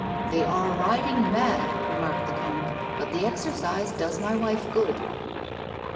" They are riding mad," remarked the comte; "but the exercise does my wife good."